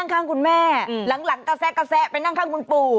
ข้างคุณแม่หลังกระแซะไปนั่งข้างคุณปู่